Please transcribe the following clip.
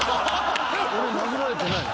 俺殴られてない。